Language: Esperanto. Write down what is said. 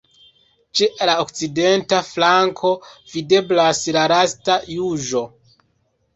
Ĉe la okcidenta flanko videblas la Lasta juĝo.